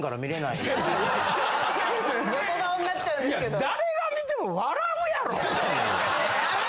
いや誰が見ても笑うやろ？